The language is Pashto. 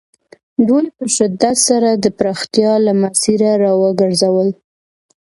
دوی په شدت سره د پراختیا له مسیره را وګرځول.